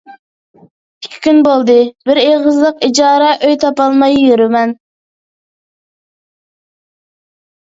ئىككى كۈن بولدى، بىر ئېغىزلىق ئىجارە ئۆي تاپالماي يۈرىمەن.